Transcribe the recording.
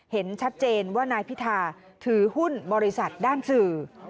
เห็นชัดเจนว่านายพิธาถือหุ้นบริษัทด้านสื่อ